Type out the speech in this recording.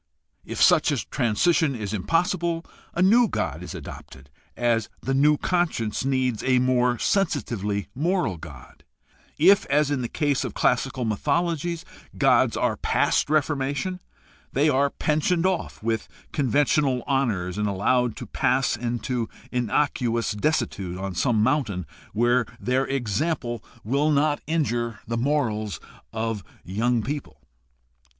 If such a transition is impossible, a new god is adopted as the new conscience needs a more sensitively moral god. If, as in the case of classical mythology, gods are past reformation, they are pensioned off with conventional honors and allowed to pass into innocuous desuetude on some mountain where their example will not injure the morals of young people.